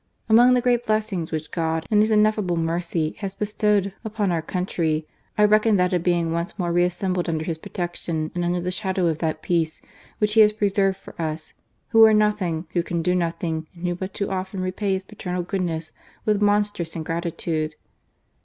"Among the great blessings which God, in His inefliable mercy, has bestowed upon our country, I reckon that of being once more reassembled under His protection and under the shadow of that peace, which He has preserved for us, who are nothing, who can do nothing, and who but too often repay His paternal goodness with monstrous ingratitude."